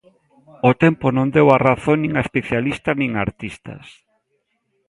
O tempo non deu a razón nin a especialistas nin a artistas.